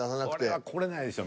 これはこれないでしょ